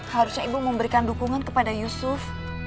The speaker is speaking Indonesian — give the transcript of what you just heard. harusnya ibu memberikan dukungan kepada yusuf